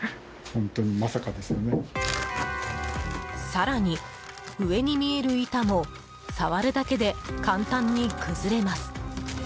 更に、上に見える板も触るだけで簡単に崩れます。